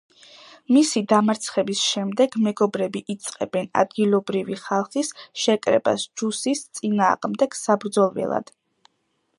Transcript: მისი დამარცხების შემდეგ მეგობრები იწყებენ ადგილობრივი ხალხის შეკრებას ჯუსის წინააღმდეგ საბრძოლველად.